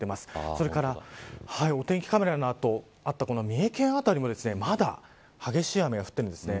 それからお天気カメラのあった三重県辺りもまだ激しい雨が降ってるんですね。